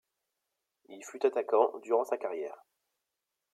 Il fut attaquant durant sa carrière.